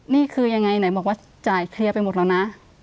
นี่คือยังไงไหนบอกว่าจ่ายเคลียร์ไปหมดแล้วนะ